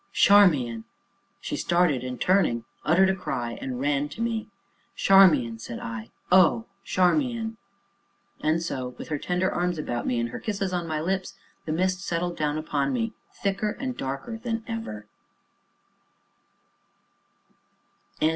"Charmian!" She started, and, turning, uttered a cry, and ran to me. "Charmian," said I; "oh, Charmian!" And so, with her tender arms about me, and her kisses on my lips, the mist settled down upon me, thicker and darker than ever.